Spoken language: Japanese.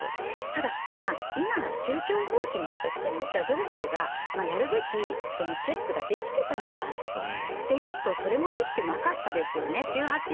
ただ、今宗教法人だとしてもじゃあ行政がやるべきチェックができていたのかというとそれもできていなかったですよね。